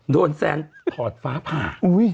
แซนถอดฟ้าผ่า